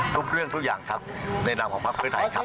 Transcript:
ทุกเรื่องทุกอย่างในภาคเพื่อไทยครับ